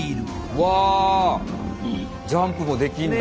わジャンプもできんだ。